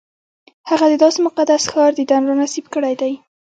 هغه د داسې مقدس ښار دیدن را نصیب کړی دی.